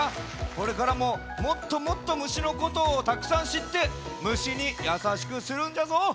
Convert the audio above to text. これからももっともっと虫のことをたくさんしって虫にやさしくするんじゃぞ。